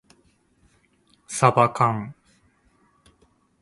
さばかん